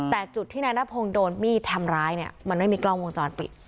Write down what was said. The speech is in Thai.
แต่จุดที่นายนพงศ์โดนมีดทำร้ายเนี่ยมันไม่มีกล้องวงจรปิด